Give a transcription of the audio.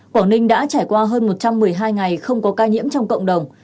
quảng ninh đã trải qua hơn một trăm một mươi hai ngày không có ca nhiễm trong cộng đồng